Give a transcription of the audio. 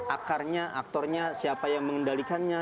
akarnya aktornya siapa yang mengendalikannya